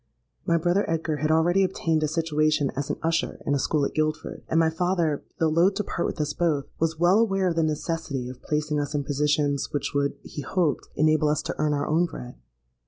My brother Edgar had already obtained a situation as an usher in a school at Guildford, and my father, though loth to part with us both, was well aware of the necessity of placing us in positions which would, he hoped, enable us to earn our own bread.